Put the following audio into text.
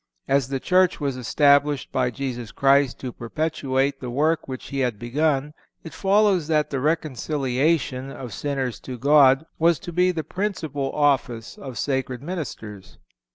As the Church was established by Jesus Christ to perpetuate the work which he had begun, it follows that the reconciliation of sinners to God was to be the principal office of sacred ministers.